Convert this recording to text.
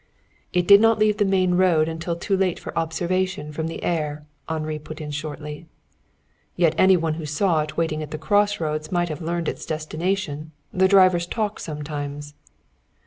"It did not leave the main road until too late for observation from the air," Henri put in shortly. "Yet any one who saw it waiting at the crossroads might have learned its destination. The drivers talk sometimes."